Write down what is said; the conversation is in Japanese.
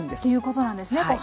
ということなんですね。